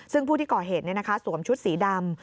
ซึ่งผู้ที่ก่อเหตุสวมชุดสีดำ